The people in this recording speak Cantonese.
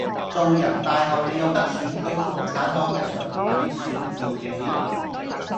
做人大後你有得選舉共產黨既常委，選自己